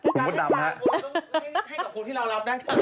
คุณคุณดำฮะคุณคุณให้กับคุณที่เรารับได้